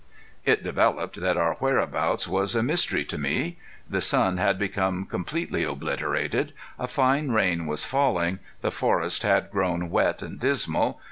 It developed that our whereabouts was a mystery to me. The sun had become completely obliterated, a fine rain was falling, the forest had grown wet and dismal.